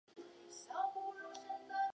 梅森县是美国德克萨斯州中部的一个县。